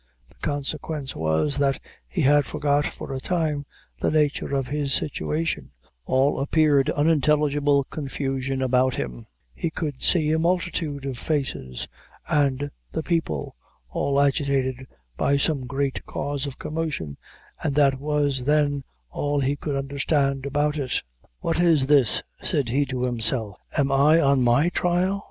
The consequence was, that he had forgot, for a time, the nature of his situation all appeared unintelligible confusion about him, he could see a multitude of faces, and the people, all agitated by some great cause of commotion, and that was, then, all he could understand about it. "What is this," said he to himself; "am I on my trial?